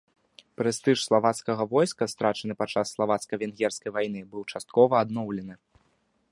Прэстыж славацкага войска, страчаны падчас славацка-венгерскай вайны, быў часткова адноўлены.